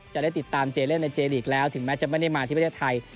จะได้ติดตามเจเล่นในเจลีกแล้วถึงแม้จะไม่ได้มาที่ประเทศไทย